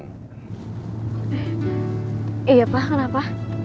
eh iya pak kenapa